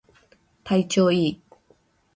体調いい